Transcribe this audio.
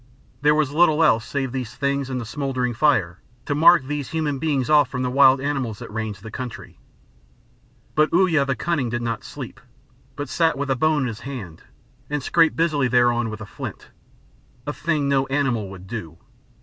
There was little else save these things and the smouldering fire to mark these human beings off from the wild animals that ranged the country. But Uya the Cunning did not sleep, but sat with a bone in his hand and scraped busily thereon with a flint, a thing no animal would do.